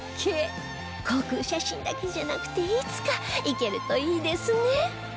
航空写真だけじゃなくていつか行けるといいですね